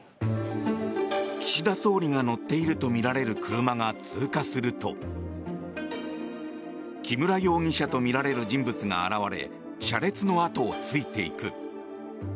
岸田総理が乗っているとみられる車が通過すると木村容疑者とみられる人物が現れ車列のあとをついていく。